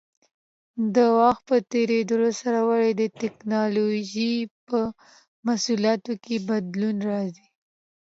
د وخت په تېرېدو سره ولې د ټېکنالوجۍ په محصولاتو کې بدلون راځي؟